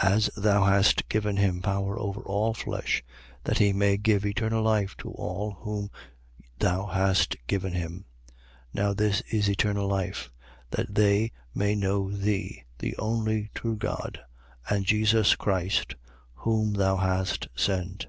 17:2. As thou hast given him power over all flesh, that he may give eternal life to all whom thou hast given him. 17:3. Now this is eternal life: That they may know thee, the only true God, and Jesus Christ, whom thou hast sent.